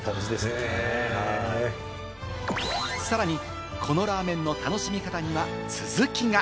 さらに、このらーめんの楽しみ方には続きが。